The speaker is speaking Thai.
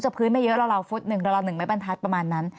พื้นไม่เยอะราวฟุตหนึ่งราวหนึ่งไม่บรรทัศน์ประมาณนั้น